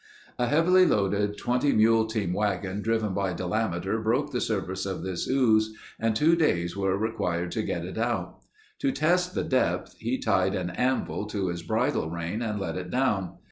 A heavily loaded 20 mule team wagon driven by Delameter broke the surface of this ooze and two days were required to get it out. To test the depth, he tied an anvil to his bridle rein and let it down.